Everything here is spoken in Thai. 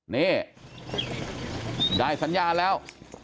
นี่ได้สัญญาณแล้ว